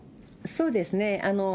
そうですね。